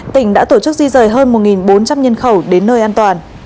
tỉnh đã tổ chức di rời hơn một bốn trăm linh nhân khẩu đến nơi an toàn